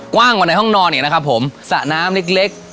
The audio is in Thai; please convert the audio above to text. กว้างกว่าในห้องนอนเนี่ยนะครับผมสระน้ำเล็กเล็ก